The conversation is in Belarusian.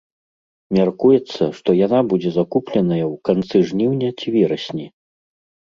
Мяркуецца, што яна будзе закупленая ў канцы жніўня ці верасні.